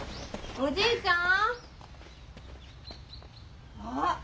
おじいちゃん。